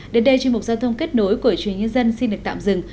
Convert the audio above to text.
đến đây chuyên mục giao thông kết nối của chuyên nhân dân xin được tạm dừng